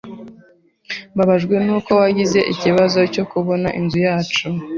Mbabajwe nuko wagize ikibazo cyo kubona inzu yacu.